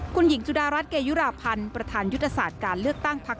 คุณหญิงสุดารัฐเกยุราพันธ์ประธานยุทธศาสตร์การเลือกตั้งพัก